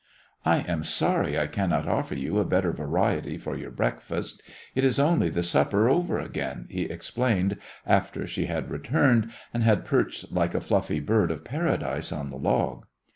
"I am sorry I cannot offer you a better variety for your breakfast. It is only the supper over again," he explained, after she had returned, and had perched like a fluffy bird of paradise on the log.